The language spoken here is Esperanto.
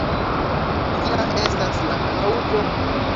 Kia estas la kaŭzo?